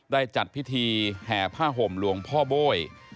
จัดพิธีแห่ผ้าห่มหลวงพ่อโบ้ย